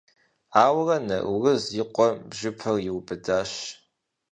Ауэрэ Наурыз и къуэм бжьыпэр иубыдащ.